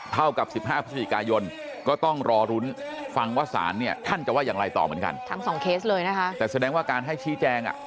เท่ากับ๑๕พฤศจิกายนก็ต้องรอรุ้นฟังว่าสารเนี่ยท่านจะว่าอย่างไรต่อเหมือนกันทั้งสองเคสเลยนะคะแต่แสดงว่าการให้ชี้แจงอ่ะ